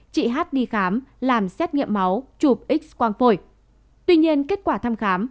chị hát đi khám làm xét nghiệm máu chụp x quang phổi tuy nhiên kết quả thăm khám